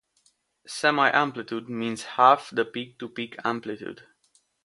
Semi-amplitude means half the peak-to-peak amplitude.